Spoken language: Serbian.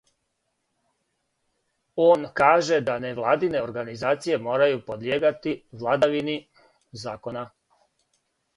Он каже да невладине организације морају подлијегати владавини закона.